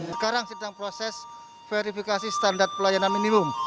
sekarang sedang proses verifikasi standar pelayanan minimum